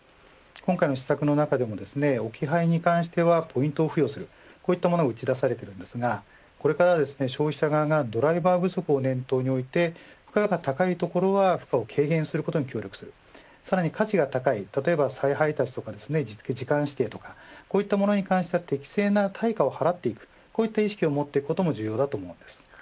今回の施策の中でも置き配に関してはポイント付与するこういったものが打ち出されていますがこれからは消費者側がドライバー不足を念頭において負荷が高いところは負荷を軽減することに協力するさらに価値が高い、例えば再配達とか時間指定とかこういったものに関しては適正な対価を払っていくこういった意識を持っていくことも重要だと思います。